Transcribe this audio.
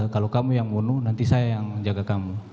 kalau kamu yang bunuh nanti saya yang menjaga kamu